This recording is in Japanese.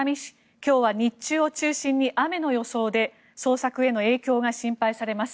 今日は日中を中心に雨の予想で捜索への影響が心配されます。